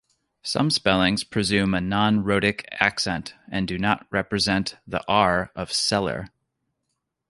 Some spellings presume a non-rhotic accent and do not represent the R of "cellar".